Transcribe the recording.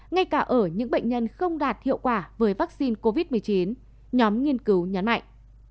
ngay cả ở những bệnh nhân không đạt hiệu quả với vaccine covid một mươi chín nhóm nghiên cứu nhấn mạnh